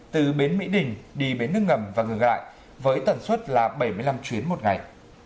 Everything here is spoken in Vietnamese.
từ biến mỹ đình đi biến nước ngầm và ngừng lại với tần suất là bảy mươi năm chuyến một ngày